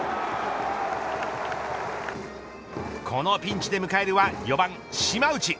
このピンチで迎えるは４番、島内。